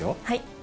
はい。